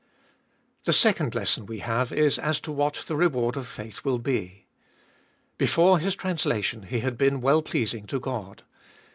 The second lesson we have is as to what the reward of faith will be. Before his translation he had been well pleasing to God.